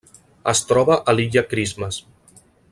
Es troba a l'Illa Christmas.